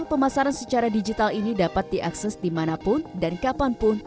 pemasaran secara digital ini dapat diakses dimanapun dan kapanpun